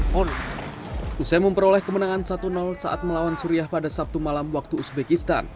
hai on usai memperoleh kemenangan satu saat melawan suriah pada sabtu malam waktu uzbekistan